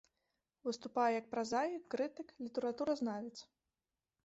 Выступае як празаік, крытык, літаратуразнавец.